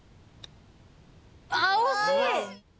あ惜しい！